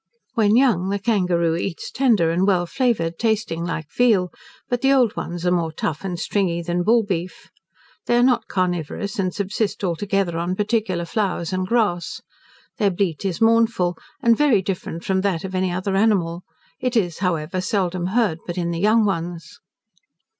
When young the kangaroo eats tender and well flavoured, tasting like veal, but the old ones are more tough and stringy than bullbeef. They are not carnivorous, and subsist altogether on particular flowers and grass. Their bleat is mournful, and very different from that of any other animal: it is, however, seldom heard but in the young ones.